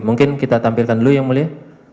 mungkin kita tampilkan dulu yang mulia